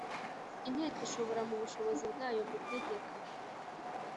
Inteko ishobora mu bushishozi bwayo gutegeka